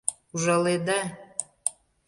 — Ужаледа.